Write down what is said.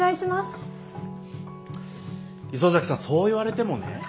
磯崎さんそう言われてもね。